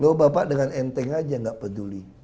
loh bapak dengan enteng aja nggak peduli